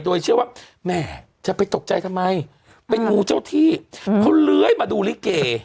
โดยเชื่อว่าแหมจะไปตกใจทำไมเป็นงูเจ้าที่เขาเลื้อยมาดูลิเก